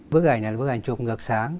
bức ảnh này là bức ảnh chụp ngược sáng